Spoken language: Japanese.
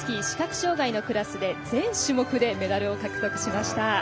視覚障がいのクラスで全種目でメダルを獲得しました。